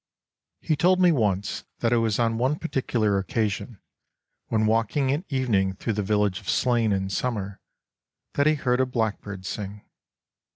He told me once that it was on one particu lar occasion, when walking at evening through the village of Slane in summer, that he heard a blackbird sing.